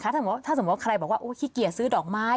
ถ้าสมมุติว่าใครบอกว่าขี้เกียจซื้อดอกไม้